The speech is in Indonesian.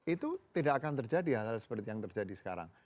itu tidak akan terjadi hal hal seperti yang terjadi sekarang